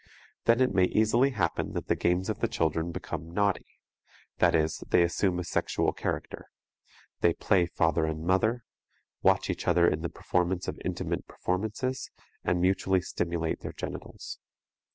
Then it may easily happen that the games of the children become "naughty," that is, they assume a sexual character; they play "father and mother," watch each other in the performance of intimate performances and mutually stimulate their genitals.